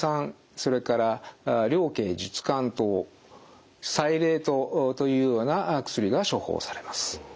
それから苓桂朮甘湯柴苓湯というような薬が処方されます。